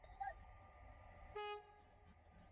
نور یې نسته زور د چا د ښکارولو